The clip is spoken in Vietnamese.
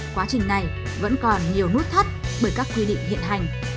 quá trình này vẫn còn nhiều nút thắt bởi các quy định hiện hành